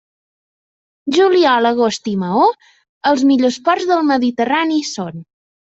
Juliol, agost i Maó, els millors ports del Mediterrani són.